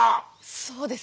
そうです！